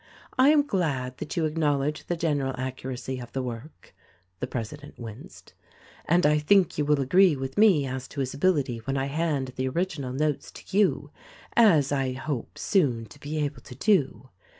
I am glad that you acknowledge the general accuracy of the work, (the president winced) and I think you will agree with me as to his ability when I hand the original notes to you — as I hope soon to be able to do.